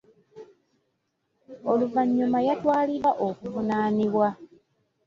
Oluvannyuma yatwaliddwa okuvunaanibwa.